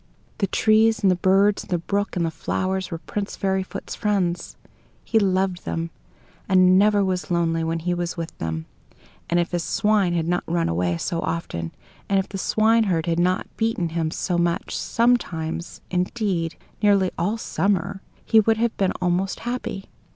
The trees and the birds, and the brook and the flowers were Prince Fairyfoot's friends. He loved them, and never was very lonely when he was with them; and if his swine had not run away so often, and if the swineherd had not beaten him so much, sometimes indeed, nearly all summer he would have been almost happy.